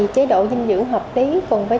chế độ dinh dưỡng trong thai kỳ đặc biệt quan trọng